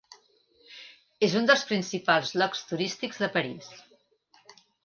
És un dels principals llocs turístics de París.